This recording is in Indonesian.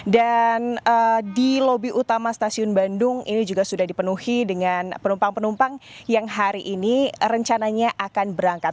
dan di lobi utama stasiun bandung ini juga sudah dipenuhi dengan penumpang penumpang yang hari ini rencananya akan berangkat